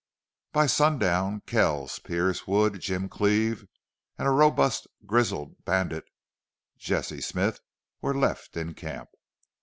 By sundown Kells, Pearce, Wood, Jim Cleve, and a robust, grizzled bandit, Jesse Smith, were left in camp.